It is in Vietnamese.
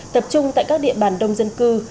tập trung tại các địa bàn đông dân cư